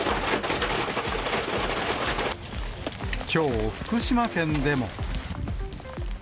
きょう、福島県でも。